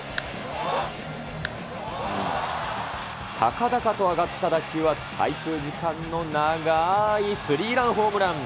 高々と上がった打球は滞空時間の長いスリーランホームラン。